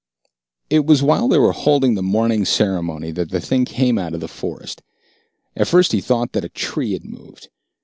It was while they were holding the morning ceremony that the thing came out of the forest. At first he thought that a tree had moved.